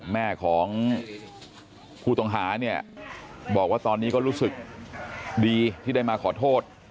แม่ของผู้ต้องหาเนี่ยบอกว่าตอนนี้ก็รู้สึกดีที่ได้มาขอโทษ